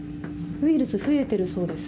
ウイルス増えているそうです。